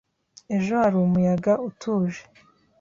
Ejo hari umuyaga utuje.